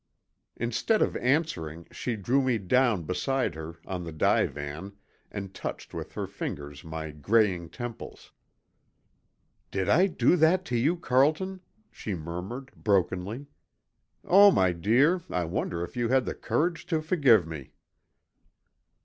Instead of answering she drew me down beside her on the divan and touched with her fingers my graying temples. "Did I do that to you, Carlton?" she murmured, brokenly. "Oh, my dear, I wonder you had the courage to forgive me!"